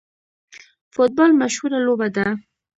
فوټبال مشهوره لوبه ده